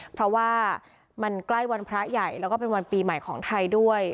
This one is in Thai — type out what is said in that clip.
เพราะว่ามันใกล้วันพระใหญ่แล้วก็เป็นวันปีใหม่ของไทยด้วย